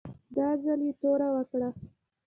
دا ځل یې توره وکړه.